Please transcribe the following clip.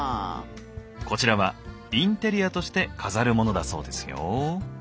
こちらはインテリアとして飾るものだそうですよ。